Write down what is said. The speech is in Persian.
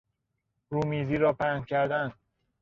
رومیزی را پهن کردن